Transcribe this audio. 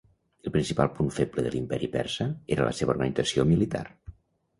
El principal punt feble de l'imperi Persa era la seva organització militar.